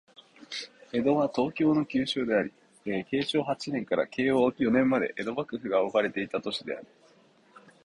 江戸は、東京の旧称であり、慶長八年から慶応四年まで江戸幕府が置かれていた都市である